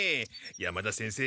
山田先生